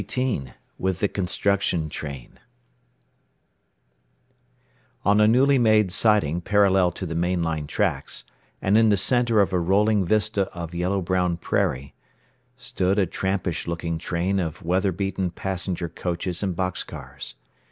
XVIII WITH THE CONSTRUCTION TRAIN On a newly made siding parallel to the main line tracks, and in the center of a rolling vista of yellow brown prairie, stood a trampish looking train of weather beaten passenger coaches and box cars.